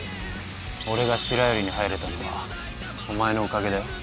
「俺が白百合に入れたのはお前のおかげだよ」